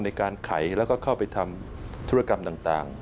ในการไขแล้วก็เข้าไปทำธุรกรรมต่าง